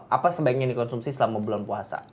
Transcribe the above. apa sebaiknya dikonsumsi selama bulan puasa